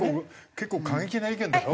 結構過激な意見だよ。